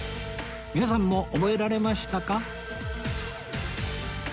皆さんも覚えられましたか？